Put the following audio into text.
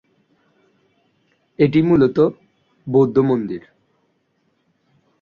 এটি মূলতঃ বৌদ্ধ মন্দির।